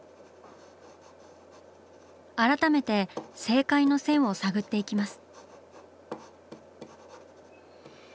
改めて「正解」の線を探っていきます。